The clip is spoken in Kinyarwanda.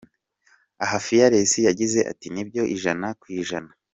Aha Fearless yagize ati “ Nibyo ijana ku ijana.